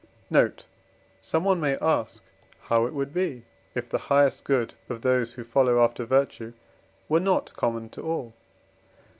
Note. Someone may ask how it would be, if the highest good of those who follow after virtue were not common to all?